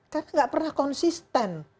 karena nggak pernah konsisten